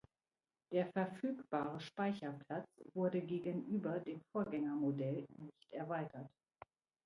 Der verfügbare Speicherplatz wurde gegenüber dem Vorgängermodell nicht erweitert.